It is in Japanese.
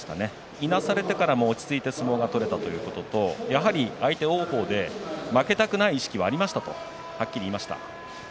いなされてからも落ち着いて相撲が取れたということとやはり相手が王鵬で負けたくない意識がありましたとはっきり言いました。